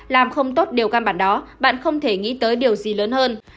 làm không tốt điều căn bản đó bạn không thể nghĩ tới điều gì lớn hơn